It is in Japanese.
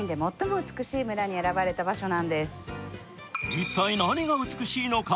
一体、何が美しいのか？